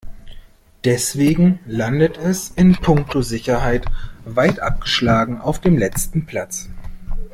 Deswegen landet es in puncto Sicherheit weit abgeschlagen auf dem letzten Platz.